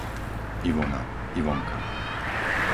Ivona, Ivonka